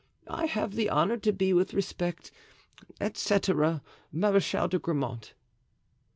"I have the honor to be, with respect, etc., "Marechal de Grammont."